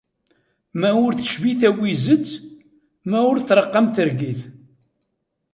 Ma ur tecbi tawizet, ma ur treqq am targit.